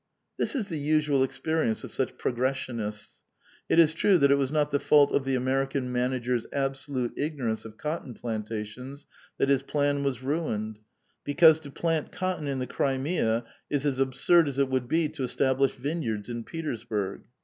This is the usual experience of such progressionists. It is true that it was not the fault of the American manager's absolute ignorance of cotton plan tations that his plan was ruined, because to plant cotton in the Krimea is as absurd as it would be to establish vineyards in Petersburg.